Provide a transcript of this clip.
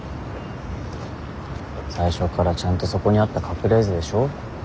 最初からちゃんとそこにあったカプレーゼでしょ。